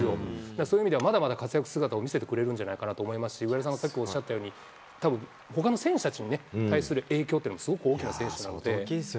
そういう意味では、まだまだ活躍姿を見せてくれるんじゃないかなと思いますし、上田さんがさっきおっしゃったように、たぶん、ほかの選手たちにね、対する影響っていうのは、すごく大きな選手なので。